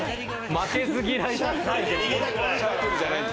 負けず嫌い。